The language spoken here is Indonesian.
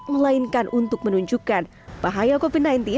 melainkan untuk menunjukkan bahaya covid sembilan belas